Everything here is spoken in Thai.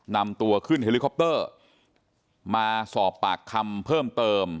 นำตัวขึ้นเฮลิคอปเตอร์มาสอบปากคำเพิ่มเติม